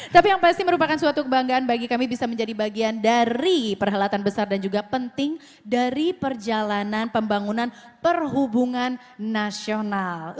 tapi yang pasti merupakan suatu kebanggaan bagi kami bisa menjadi bagian dari perhelatan besar dan juga penting dari perjalanan pembangunan perhubungan nasional